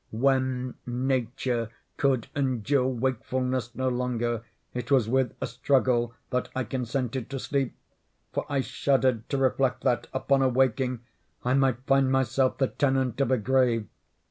When Nature could endure wakefulness no longer, it was with a struggle that I consented to sleep—for I shuddered to reflect that, upon awaking, I might find myself the tenant of a grave.